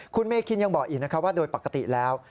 คุณเมคินยังบอกอีกนะคะว่าโดยปกติแล้ว